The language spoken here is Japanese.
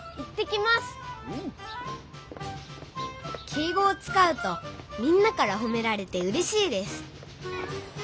敬語をつかうとみんなからほめられてうれしいです